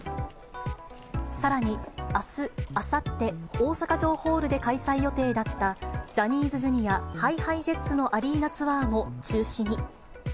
さらに、あす、あさって、大阪城ホールで開催予定だった、ジャニーズＪｒ．ＨｉＨｉＪｅｔｓのアリーナツアーも中止に。